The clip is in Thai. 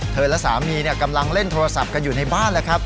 เธอและสามีกำลังเล่นโทรศัพท์กันอยู่ในบ้าน